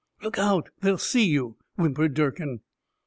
"Look out, they'll see you," whimpered Durkin.